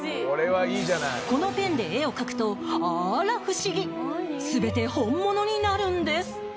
このペンで絵を描くとあら不思議全て本物になるんです。